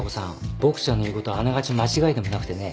ボクちゃんの言うことはあながち間違いでもなくてね。